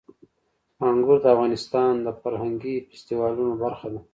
انګور د افغانستان د فرهنګي فستیوالونو برخه ده.